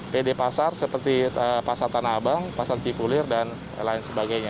pd pasar seperti pasar tanah abang pasar cikulir dan lain sebagainya